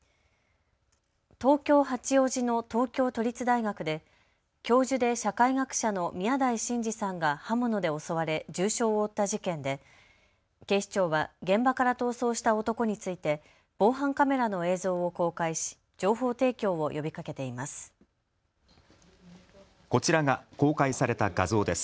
東京八王子の東京都立大学で教授で社会学者の宮台真司さんが刃物で襲われ重傷を負った事件で警視庁は現場から逃走した男について防犯カメラの映像を公開し情報提供を呼びかけています。